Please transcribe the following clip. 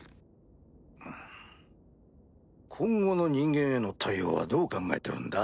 今後の人間への対応はどう考えてるんだ？